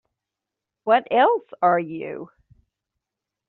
What else are you?